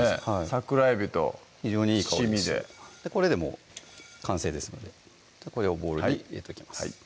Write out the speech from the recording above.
桜えびと七味でこれでもう完成ですのでこれをボウルに入れときます